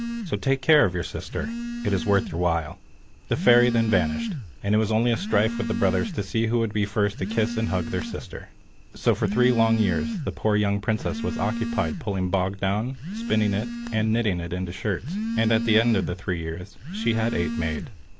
So take care of your sister; it is worth your while." The fairy then vanished, and it was only a strife with the brothers to see who would be first to kiss and hug their sister. So for three long years the poor young princess was occupied pulling bog down, spinning it, and knitting it into shirts, and at the end of the three years she had eight made.